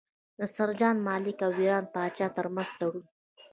د سر جان مالکم او ایران د پاچا ترمنځ تړون.